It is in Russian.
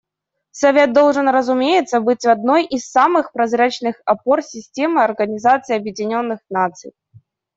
Совет должен, разумеется, быть одной из самых прозрачных опор системы Организации Объединенных Наций.